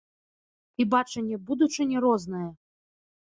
І бачанне будучыні рознае.